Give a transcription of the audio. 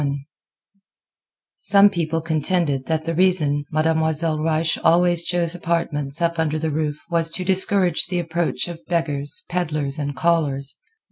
XXI Some people contended that the reason Mademoiselle Reisz always chose apartments up under the roof was to discourage the approach of beggars, peddlars and callers.